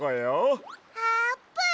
あーぷん！